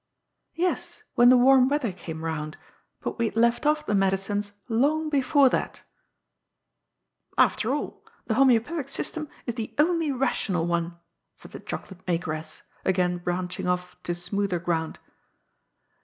'^Yes, when the warm weather came round; but we had left off the medicines long before that" '' After all, the homoeopathic system is the only rational one," said the chocolate makeress, again branching off to smoother ground.